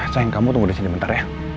sayang kamu tunggu di sini bentar ya